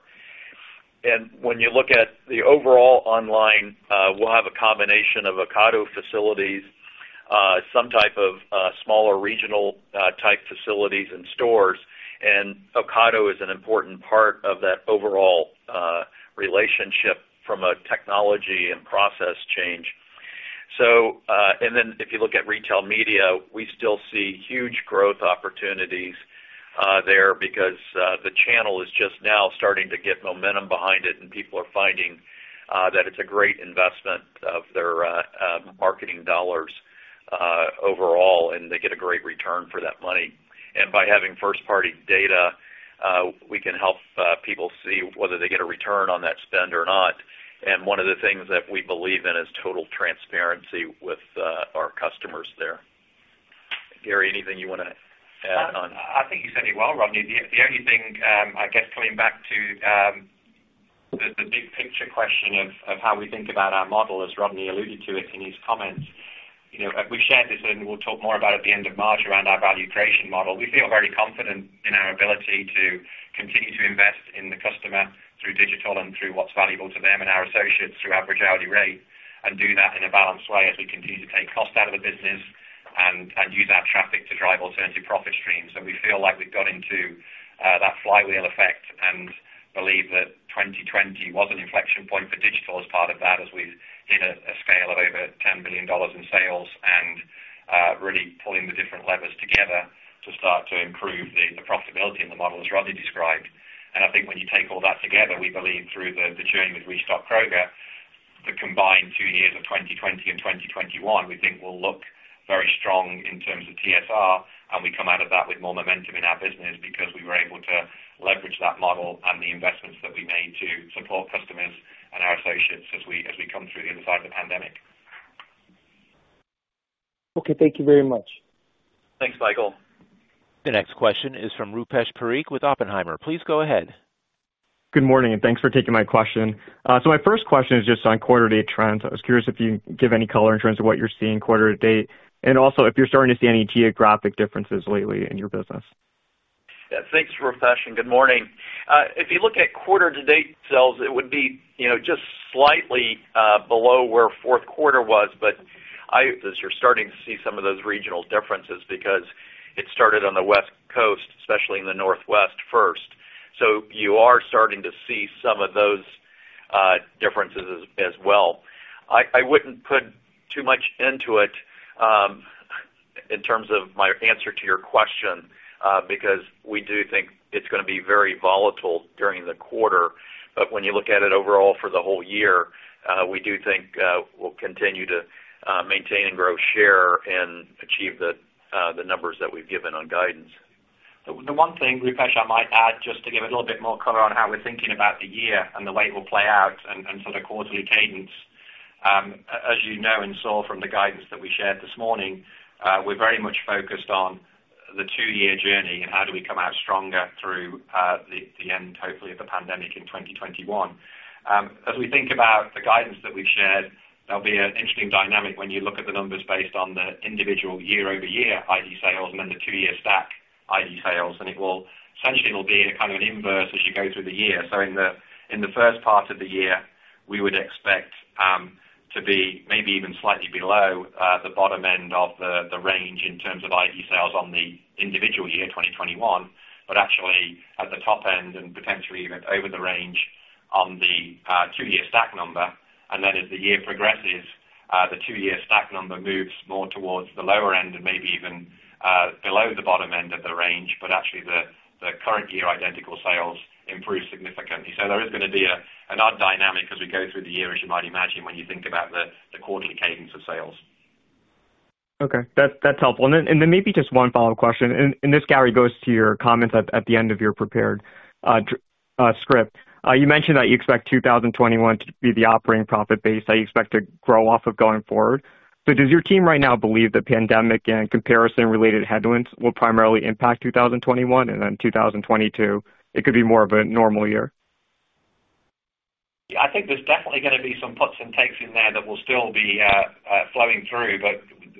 When you look at the overall online, we'll have a combination of Ocado facilities, some type of smaller regional type facilities and stores. Ocado is an important part of that overall relationship from a technology and process change. If you look at retail media, we still see huge growth opportunities there because the channel is just now starting to get momentum behind it, and people are finding that it's a great investment of their marketing dollars overall, and they get a great return for that money. By having first-party data, we can help people see whether they get a return on that spend or not. One of the things that we believe in is total transparency with our customers there. Gary, anything you want to add on? I think you said it well, Rodney. The only thing, I guess, coming back to the big picture question of how we think about our model, as Rodney alluded to it in his comments. We've shared this, and we'll talk more about at the end of March around our value creation model. We feel very confident in our ability to continue to invest in the customer through digital and through what's valuable to them and our associates through our brutality rate, and do that in a balanced way as we continue to take cost out of the business and use our traffic to drive alternative profit streams. We feel like we've got into that flywheel effect and believe that 2020 was an inflection point for digital as part of that, as we hit a scale of over $10 billion in sales and really pulling the different levers together to start to improve the profitability in the model, as Rodney described. I think when you take all that together, we believe through the journey with Restock Kroger, the combined two years of 2020 and 2021, we think will look very strong in terms of TSR. We come out of that with more momentum in our business because we were able to leverage that model and the investments that we made to support customers and our associates as we come through the other side of the pandemic. Okay. Thank you very much. Thanks, Michael. The next question is from Rupesh Parikh with Oppenheimer. Please go ahead. Good morning, thanks for taking my question. My 1st question is just on quarter-to-date trends. I was curious if you can give any color in terms of what you're seeing quarter-to-date, and also if you're starting to see any geographic differences lately in your business. Thanks, Rupesh, and good morning. If you look at quarter-to-date sales, it would be just slightly below where fourth quarter was. I, as you're starting to see some of those regional differences because it started on the West Coast, especially in the Northwest first. You are starting to see some of those differences as well. I wouldn't put too much into it, in terms of my answer to your question, because we do think it's going to be very volatile during the quarter. When you look at it overall for the whole year, we do think we'll continue to maintain and grow share and achieve the numbers that we've given on guidance. The one thing, Rupesh, I might add, just to give it a little bit more color on how we're thinking about the year and the way it will play out and sort of quarterly cadence. As you know and saw from the guidance that we shared this morning, we're very much focused on the two-year journey and how do we come out stronger through the end, hopefully, of the pandemic in 2021. As we think about the guidance that we've shared, there'll be an interesting dynamic when you look at the numbers based on the individual year-over-year Identical Sales and then the two-year stack Identical Sales, and essentially, it'll be kind of an inverse as you go through the year. In the 1st part of the year, we would expect to be maybe even slightly below the bottom end of the range in terms of Identical Sales on the individual year 2021, but actually at the top end and potentially even over the range on the two-year stack number. As the year progresses, the two-year stack number moves more towards the lower end and maybe even below the bottom end of the range. Actually, the current year Identical Sales improve significantly. There is going to be an odd dynamic as we go through the year, as you might imagine, when you think about the quarterly cadence of sales. Okay. That's helpful. Then maybe just one follow-up question, and this, Gary, goes to your comments at the end of your prepared script. You mentioned that you expect 2021 to be the operating profit base that you expect to grow off of going forward. Does your team right now believe the pandemic and comparison-related headwinds will primarily impact 2021 and then 2022, it could be more of a normal year? I think there's definitely going to be some puts and takes in there that will still be flowing through.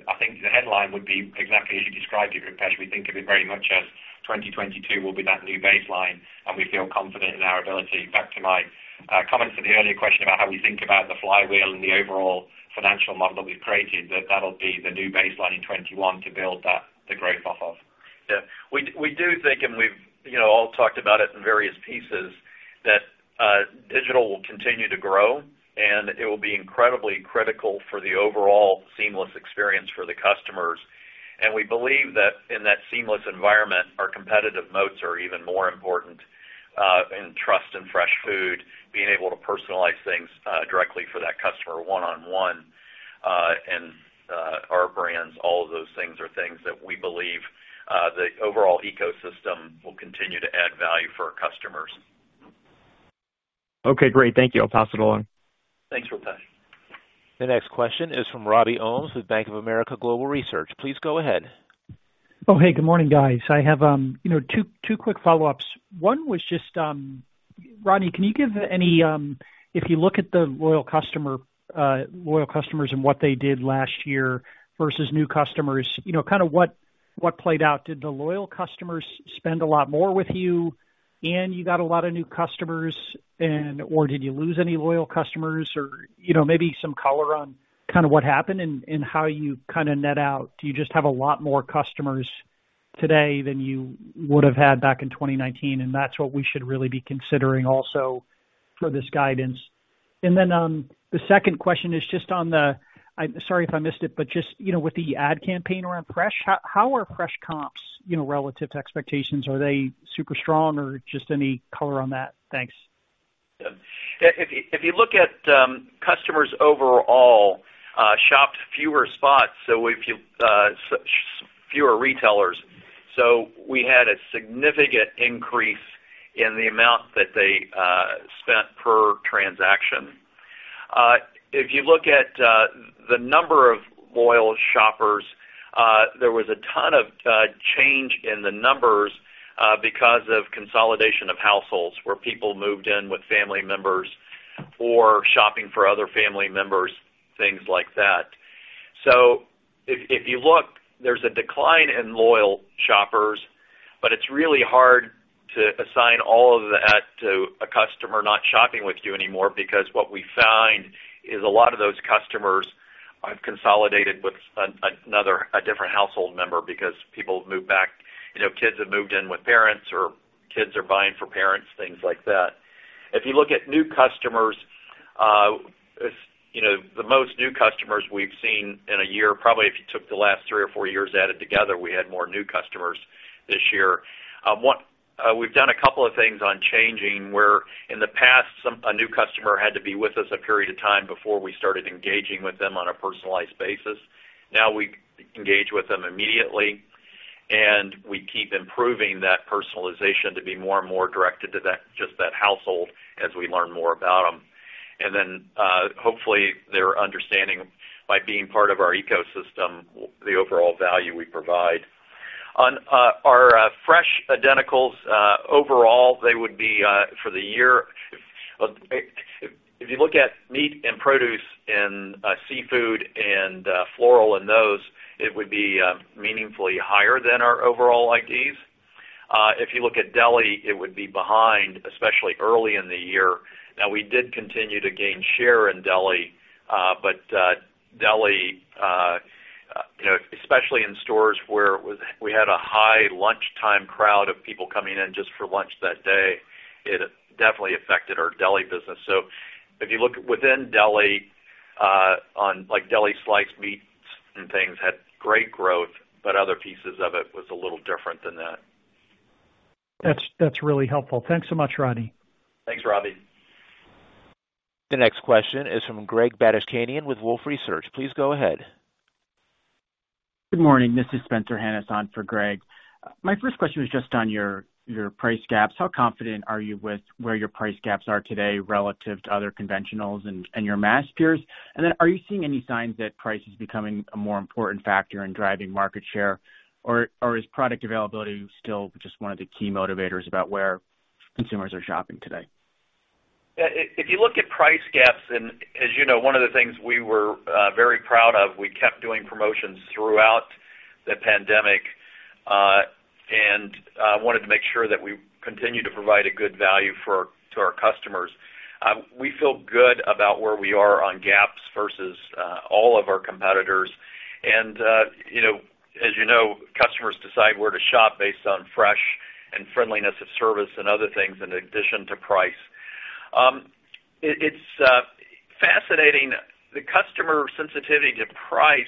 I think the headline would be exactly as you described it, Rupesh. We think of it very much as 2022 will be that new baseline, and we feel confident in our ability, back to my comments to the earlier question about how we think about the flywheel and the overall financial model that we've created, that'll be the new baseline in 2021 to build the growth off of. Yeah. We do think, we've all talked about it in various pieces, that digital will continue to grow, and it will be incredibly critical for the overall seamless experience for the customers. We believe that in that seamless environment, our competitive moats are even more important, in trust and fresh food, being able to personalize things directly for that customer one-on-one, and our brands, all of those things are things that we believe the overall ecosystem will continue to add value for our customers. Okay, great. Thank you. I'll pass it along. Thanks, Rupesh. The next question is from Robbie Ohmes with Bank of America Global Research. Please go ahead. Oh, hey, good morning, guys. I have two quick follow-ups. One was just, Rodney, can you give if you look at the loyal customers and what they did last year versus new customers, what played out? Did the loyal customers spend a lot more with you and you got a lot of new customers and/or did you lose any loyal customers or maybe some color on what happened and how you net out. Do you just have a lot more customers today than you would've had back in 2019? That's what we should really be considering also for this guidance. Then, the second question is just I'm sorry if I missed it, but just with the ad campaign around Fresh, how are Fresh comps relative to expectations? Are they super strong or just any color on that? Thanks. If you look at customers overall, shopped fewer spots, so fewer retailers. We had a significant increase in the amount that they spent per transaction. If you look at the number of loyal shoppers, there was a ton of change in the numbers because of consolidation of households where people moved in with family members or shopping for other family members, things like that. If you look, there's a decline in loyal shoppers, but it's really hard to assign all of that to a customer not shopping with you anymore because what we find is a lot of those customers have consolidated with a different household member because people have moved back. Kids have moved in with parents or kids are buying for parents, things like that. If you look at new customers, the most new customers we've seen in a year, probably if you took the last three or four years added together, we had more new customers this year. We've done a couple of things on changing where in the past, a new customer had to be with us a period of time before we started engaging with them on a personalized basis. Now we engage with them immediately, and we keep improving that personalization to be more and more directed to just that household as we learn more about them. Hopefully they're understanding by being part of our ecosystem, the overall value we provide. On our fresh identicals, overall, they would be, for the year, if you look at meat and produce and seafood and floral and those, it would be meaningfully higher than our overall IDs. If you look at deli, it would be behind, especially early in the year. We did continue to gain share in deli, but deli especially in stores where we had a high lunchtime crowd of people coming in just for lunch that day, it definitely affected our deli business. If you look within deli, on deli sliced meats and things had great growth, but other pieces of it was a little different than that. That's really helpful. Thanks so much, Rodney. Thanks, Robbie. The next question is from Greg Badishkanian with Wolfe Research. Please go ahead. Good morning. This is Spencer Hanus on for Greg. My first question was just on your price gaps. How confident are you with where your price gaps are today relative to other conventionals and your mass peers? Are you seeing any signs that price is becoming a more important factor in driving market share? Is product availability still just one of the key motivators about where consumers are shopping today? If you look at price gaps, and as you know, one of the things we were very proud of, we kept doing promotions throughout the pandemic. Wanted to make sure that we continue to provide a good value to our customers. We feel good about where we are on gaps versus all of our competitors. As you know, customers decide where to shop based on fresh and friendliness of service and other things in addition to price. It's fascinating. The customer sensitivity to price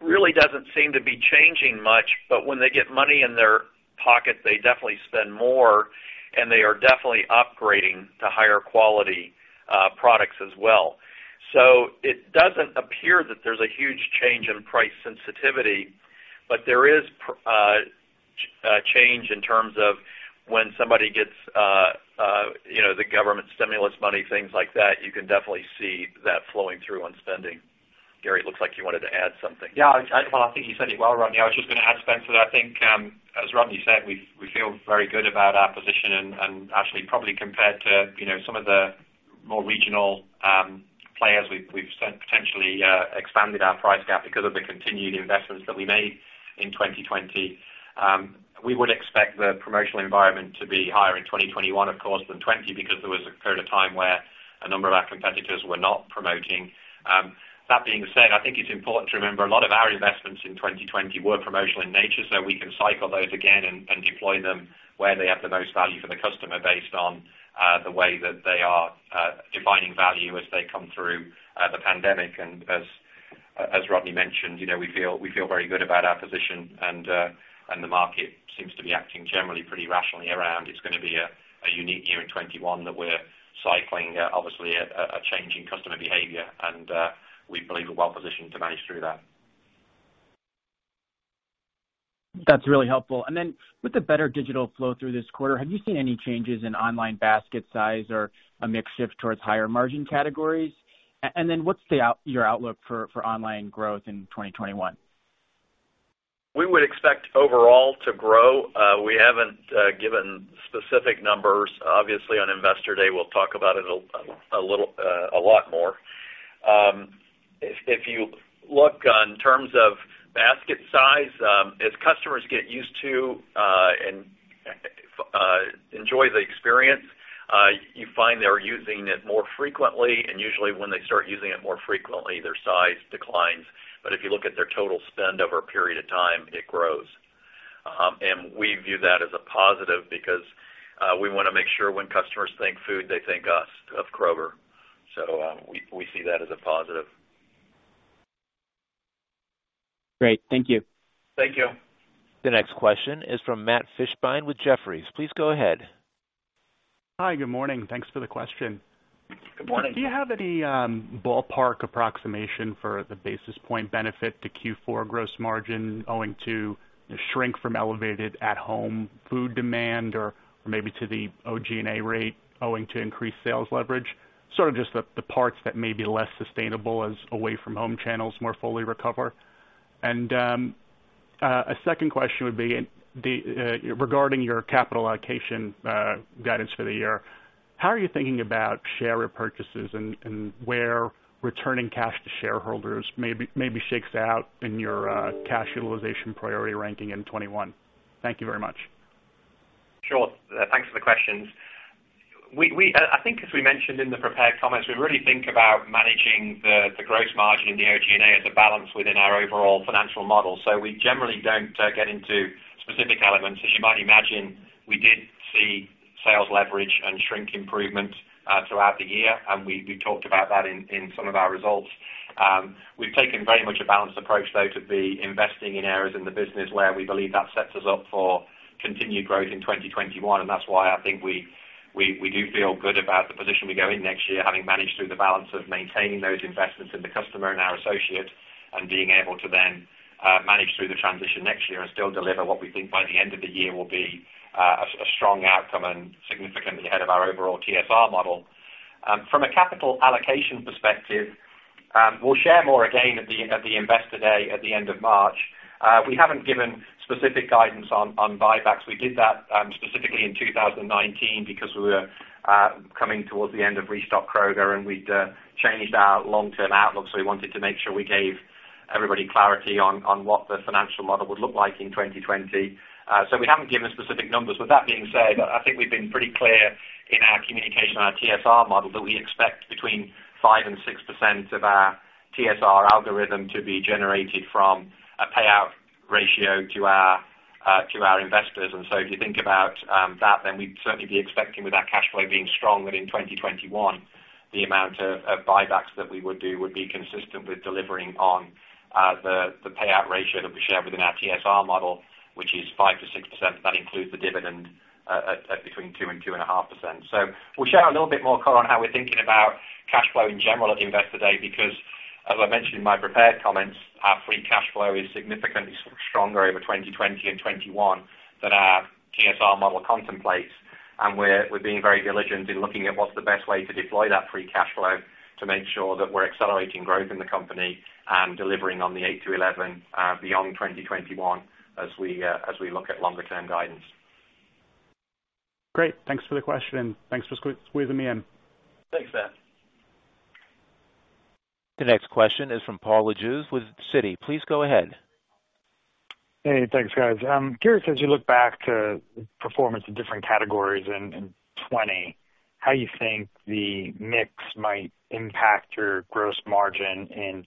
really doesn't seem to be changing much, but when they get money in their pocket, they definitely spend more, and they are definitely upgrading to higher quality products as well. It doesn't appear that there's a huge change in price sensitivity, but there is a change in terms of when somebody gets the government stimulus money, things like that. You can definitely see that flowing through on spending. Gary, it looks like you wanted to add something. Yeah. Well, I think you said it well, Rodney. I was just going to add, Spencer, that I think, as Rodney said, we feel very good about our position and actually probably compared to some of the more regional players, we've potentially expanded our price gap because of the continued investments that we made in 2020. We would expect the promotional environment to be higher in 2021, of course, than 2020 because there was a period of time where a number of our competitors were not promoting. That being said, I think it's important to remember a lot of our investments in 2020 were promotional in nature, so we can cycle those again and deploy them where they have the most value for the customer based on the way that they are defining value as they come through the pandemic. As Rodney mentioned, we feel very good about our position and the market seems to be acting generally pretty rationally around. It's going to be a unique year in 2021 that we're cycling, obviously, a change in customer behavior. We believe we're well positioned to manage through that. That's really helpful. With the better digital flow through this quarter, have you seen any changes in online basket size or a mix shift towards higher margin categories? What's your outlook for online growth in 2021? We would expect overall to grow. We haven't given specific numbers. Obviously, on Investor Day, we'll talk about it a lot more. If you look on terms of basket size, as customers get used to and enjoy the experience, you find they're using it more frequently, and usually when they start using it more frequently, their size declines. If you look at their total spend over a period of time, it grows. We view that as a positive because we want to make sure when customers think food, they think us, of Kroger. We see that as a positive. Great. Thank you. Thank you. The next question is from Matt Fishbein with Jefferies. Please go ahead. Hi. Good morning. Thanks for the question. Good morning. Do you have any ballpark approximation for the basis point benefit to Q4 gross margin owing to the shrink from elevated at-home food demand or maybe to the OG&A rate owing to increased sales leverage, sort of just the parts that may be less sustainable as away-from-home channels more fully recover? A 2nd question would be regarding your capital allocation guidance for the year. How are you thinking about share repurchases and where returning cash to shareholders maybe shakes out in your cash utilization priority ranking in 2021? Thank you very much. Sure. Thanks for the questions. I think as we mentioned in the prepared comments, we really think about managing the gross margin in the OG&A as a balance within our overall financial model. We generally don't get into specific elements. As you might imagine, we did see sales leverage and shrink improvement throughout the year, and we talked about that in some of our results. We've taken very much a balanced approach, though, to be investing in areas in the business where we believe that sets us up for continued growth in 2021. And that's why I think we do feel good about the position we go in next year, having managed through the balance of maintaining those investments in the customer and our associates, and being able to then manage through the transition next year and still deliver what we think by the end of the year will be a strong outcome and significantly ahead of our overall TSR model. From a capital allocation perspective, we'll share more again at the Investor Day at the end of March. We haven't given specific guidance on buybacks. We did that specifically in 2019 because we were coming towards the end of Restock Kroger, and we'd changed our long-term outlook, so we wanted to make sure we gave everybody clarity on what the financial model would look like in 2020. We haven't given specific numbers. With that being said, I think we've been pretty clear in our communication on our TSR model that we expect between 5% and 6% of our TSR algorithm to be generated from a payout ratio to our investors. If you think about that, we'd certainly be expecting with our cash flow being strong that in 2021, the amount of buybacks that we would do would be consistent with delivering on the payout ratio that we share within our TSR model, which is 5%-6%. That includes the dividend at between 2% and 2.5%. We'll share a little bit more color on how we're thinking about cash flow in general at the Investor Day, because as I mentioned in my prepared comments, our free cash flow is significantly stronger over 2020 and 2021 than our TSR model contemplates. We're being very diligent in looking at what's the best way to deploy that free cash flow to make sure that we're accelerating growth in the company and delivering on the 8-11 beyond 2021 as we look at longer-term guidance. Great. Thanks for the question, thanks for squeezing me in. Thanks, Matt. The next question is from Paul Lejuez with Citi. Please go ahead. Hey, thanks, guys. I'm curious, as you look back to performance in different categories in 2020, how you think the mix might impact your gross margin in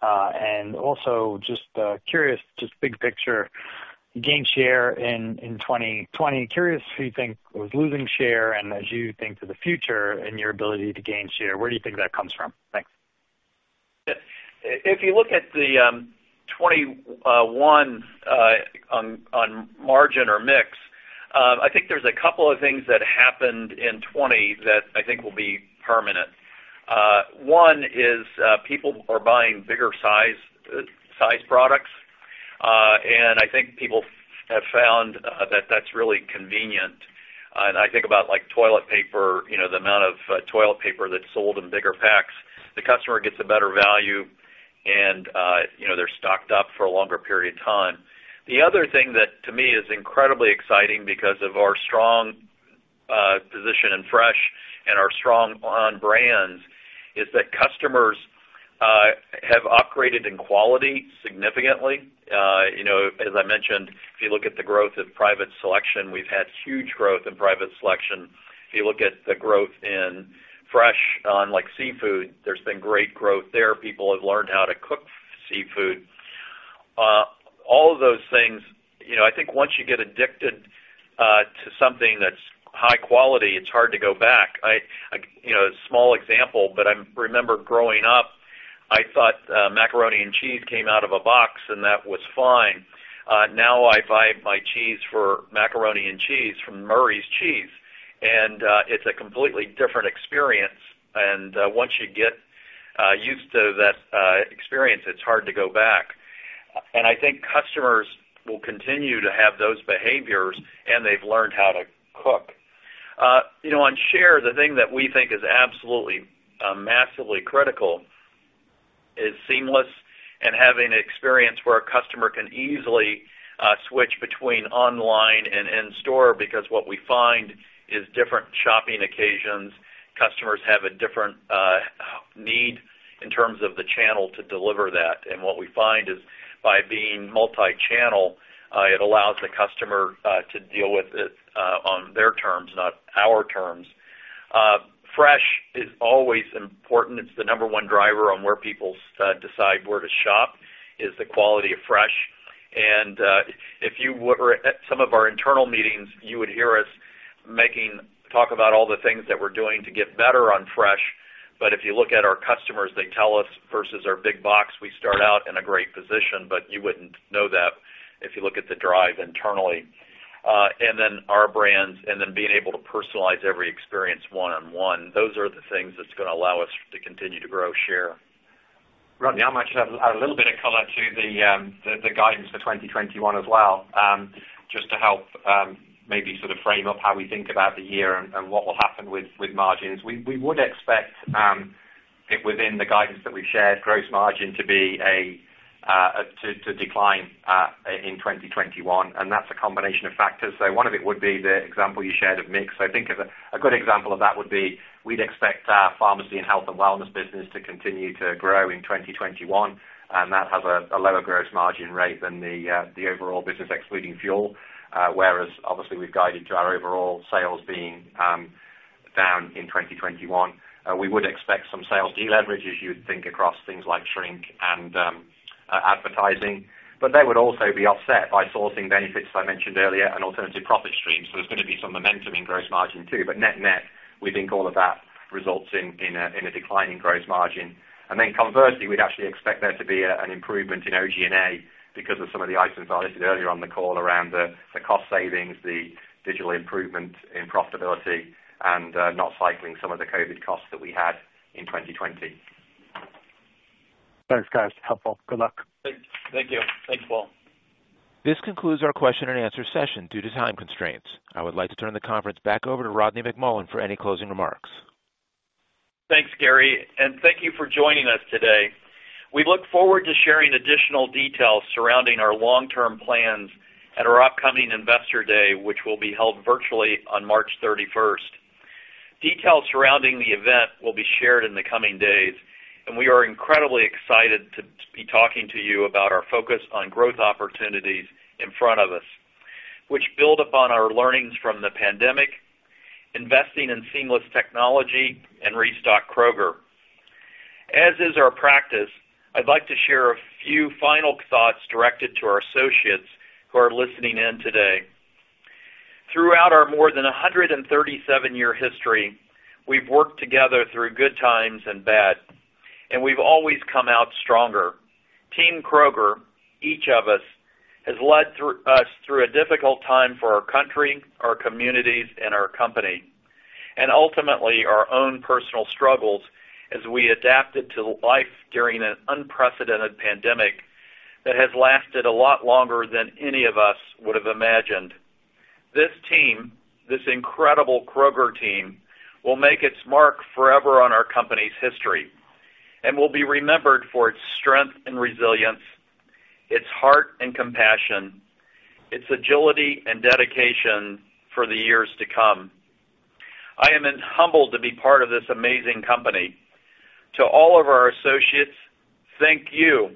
2021. Also just curious, just big picture, gain share in 2020. Curious who you think was losing share and as you think to the future and your ability to gain share, where do you think that comes from? Thanks. If you look at the 2021 on margin or mix, I think there's a couple of things that happened in 2020 that I think will be permanent. One is people are buying bigger-sized products, I think people have found that that's really convenient. I think about toilet paper, the amount of toilet paper that's sold in bigger packs. The customer gets a better value, and they're stocked up for a longer period of time. The other thing that to me is incredibly exciting because of our strong position in fresh and our strong on brands is that customers have upgraded in quality significantly. As I mentioned, if you look at the growth of Private Selection, we've had huge growth in Private Selection. If you look at the growth in fresh on seafood, there's been great growth there. People have learned how to cook seafood. All of those things, I think once you get addicted to something that's high quality, it's hard to go back. A small example, but I remember growing up, I thought macaroni and cheese came out of a box, and that was fine. Now I buy my cheese for macaroni and cheese from Murray's Cheese, and it's a completely different experience, and once you get used to that experience, it's hard to go back. I think customers will continue to have those behaviors, and they've learned how to cook. On share, the thing that we think is absolutely massively critical is seamless and having an experience where a customer can easily switch between online and in-store, because what we find is different shopping occasions, customers have a different need in terms of the channel to deliver that. What we find is by being multi-channel, it allows the customer to deal with it on their terms, not our terms. Fresh is always important. It's the number one driver on where people decide where to shop, is the quality of fresh. If you were at some of our internal meetings, you would hear us talk about all the things that we're doing to get better on fresh. If you look at our customers, they tell us, versus our big box, we start out in a great position, but you wouldn't know that if you look at the drive internally. Our brands, and then being able to personalize every experience one-on-one, are the things that's going to allow us to continue to grow share. Rodney, I might just add a little bit of color to the guidance for 2021 as well, just to help maybe sort of frame up how we think about the year and what will happen with margins. We would expect within the guidance that we've shared, gross margin to decline in 2021, and that's a combination of factors. One of it would be the example you shared of mix. I think a good example of that would be, we'd expect our pharmacy and health and wellness business to continue to grow in 2021, and that has a lower gross margin rate than the overall business excluding fuel. Whereas obviously we've guided to our overall sales being down in 2021. We would expect some sales deleverage as you would think across things like shrink and advertising. They would also be offset by sourcing benefits that I mentioned earlier and alternative profit streams. There's going to be some momentum in gross margin too. Net-net, we think all of that results in a decline in gross margin. Conversely, we'd actually expect there to be an improvement in OG&A because of some of the items I listed earlier on the call around the cost savings, the digital improvement in profitability, and not cycling some of the COVID costs that we had in 2020. Thanks, guys. Helpful. Good luck. Thank you. Thanks, Paul. This concludes our question and answer session due to time constraints. I would like to turn the conference back over to Rodney McMullen for any closing remarks. Thanks, Gary, thank you for joining us today. We look forward to sharing additional details surrounding our long-term plans at our upcoming Investor Day, which will be held virtually on March 31st. Details surrounding the event will be shared in the coming days. We are incredibly excited to be talking to you about our focus on growth opportunities in front of us, which build upon our learnings from the pandemic, investing in seamless technology, and Restock Kroger. As is our practice, I'd like to share a few final thoughts directed to our associates who are listening in today. Throughout our more than 137-year history, we've worked together through good times and bad. We've always come out stronger. Team Kroger, each of us, has led us through a difficult time for our country, our communities, and our company. Ultimately our own personal struggles as we adapted to life during an unprecedented pandemic that has lasted a lot longer than any of us would have imagined. This team, this incredible Kroger team, will make its mark forever on our company's history and will be remembered for its strength and resilience, its heart and compassion, its agility and dedication for the years to come. I am humbled to be part of this amazing company. To all of our associates, thank you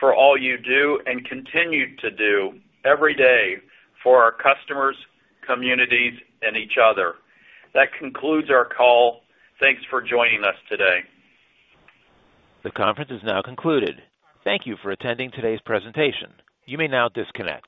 for all you do and continue to do every day for our customers, communities, and each other. That concludes our call. Thanks for joining us today. The conference is now concluded. Thank you for attending today's presentation. You may now disconnect.